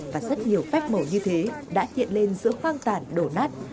và rất nhiều phép màu như thế đã hiện lên giữa khoang tàn đổ nát